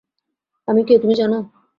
আমি কে তুমি জানো?